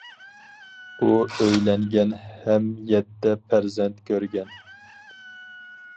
ئۇ ئۆيلەنگەن ھەم يەتتە پەرزەنت كۆرگەن.